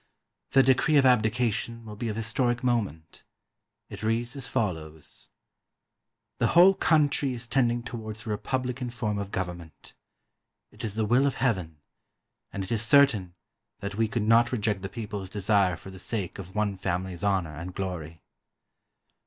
The decree of abdication will be of historic moment. It reads as follows: — "The whole country is tending towards a republican form of government. It is the will of Heaven, and it is certain that we could not reject the people's desire for the sake of one family's honor and glory.